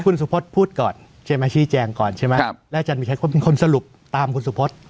คุณสุพธพูดก่อนเจมชิแจงก่อนใช่ไหมครับแล้วอาจารย์มีแค่ความเป็นคนสรุปตามคุณสุพธ